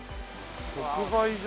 直売所？